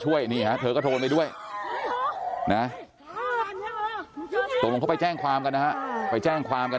ช่วยเนี่ยเธอก็โทรไปด้วยไปแจ้งความกันนะครับไปแจ้งความกัน